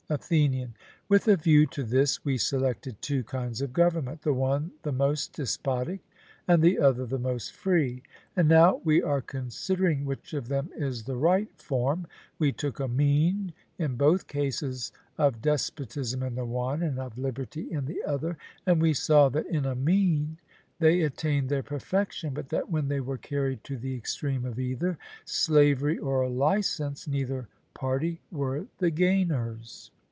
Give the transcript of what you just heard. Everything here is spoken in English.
ATHENIAN: With a view to this we selected two kinds of government, the one the most despotic, and the other the most free; and now we are considering which of them is the right form: we took a mean in both cases, of despotism in the one, and of liberty in the other, and we saw that in a mean they attained their perfection; but that when they were carried to the extreme of either, slavery or licence, neither party were the gainers.